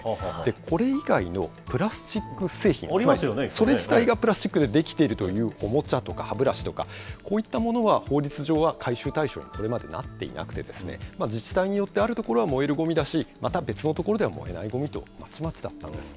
これ以外のプラスチック製品、それ自体がプラスチックで出来ているというおもちゃとか歯ブラシとか、こういったものは法律上は回収対象、それまでなっていなくてですね、自治体によって、あるところは燃えるごみだし、また別の所では燃えないごみと、まちまちだったんです。